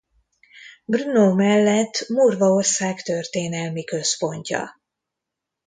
Brno mellett Morvaország történelmi központja.